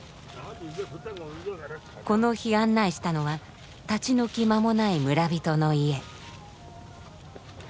この日案内したのは立ち退き間もない村人の家。